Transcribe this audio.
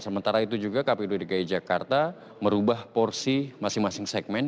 sementara itu juga kpud dki jakarta merubah porsi masing masing segmen